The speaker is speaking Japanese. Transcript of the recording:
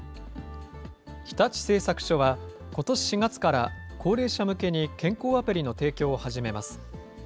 日立製作所はことし４月から、高齢者向けに健康アプリの提供を始めます。